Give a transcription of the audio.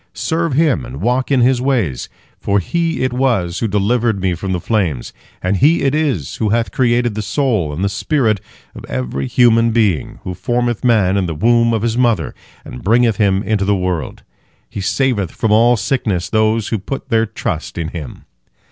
Serve Him and walk in His ways, for He it was who delivered me from the flames, and He it is who hath created the soul and the spirit of every human being, who formeth man in the womb of his mother, and bringeth him into the world. He saveth from all sickness those who put their trust in Him."